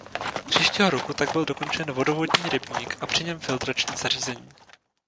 Příštího roku tak byl dokončen Vodovodní rybník a při něm filtrační zařízení.